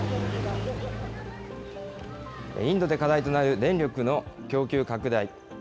インドで課題となる電力の供給拡大。